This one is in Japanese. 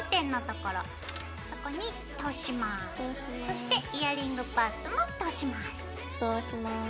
そしてイヤリングパーツも通します。